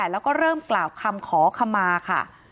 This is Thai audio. แล้วก็เริ่มกราบคำขอคำมาค่ะ